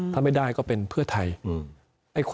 ถ้าไม่ได้ก็เป็นเพื่อไทย